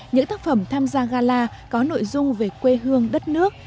những tác phẩm tham gia gala có nội dung về quê hương đất nước